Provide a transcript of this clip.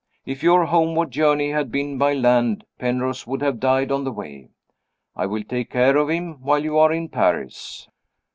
If your homeward journey had been by land, Penrose would have died on the way. I will take care of him while you are in Paris."